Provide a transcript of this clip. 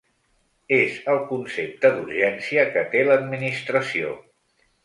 És el concepte d’urgència que té l’administració.